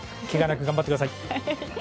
けがなく頑張ってください。